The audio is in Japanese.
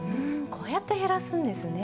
こうやって減らすんですね。